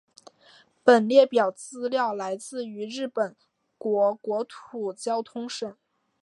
本列表资料来自于日本国国土交通省。